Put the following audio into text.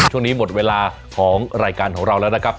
หมดเวลาของรายการของเราแล้วนะครับ